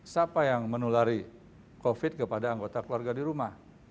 siapa yang menulari covid kepada anggota keluarga di rumah